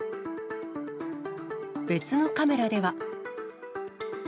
別のカメラでは。